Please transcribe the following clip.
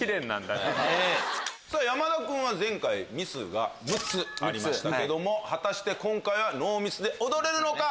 山田君は前回ミスが６つありましたけども果たして今回はノーミスで踊れるのか？